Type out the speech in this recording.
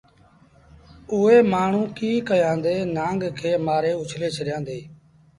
اُئي مآڻهوٚٚݩ ڪيٚ ڪيآݩدي نآݩگ کي مآري اُڇلي ڇڏيآݩدي